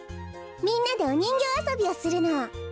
みんなでおにんぎょうあそびをするの。